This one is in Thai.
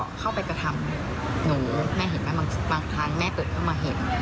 ก็เข้าไปกระทำหนูแม่เห็นไหมบางครั้งแม่เกิดเข้ามาเห็น